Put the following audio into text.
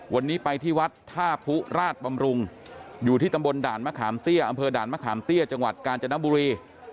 วันนี้ไปที่วัดท่าผู้ราชบำรุงอยู่ที่ตำบลด่านมะขามเตี้ยอำเภอด่านมะขามเตี้ยจังหวัดกาญจนบุรี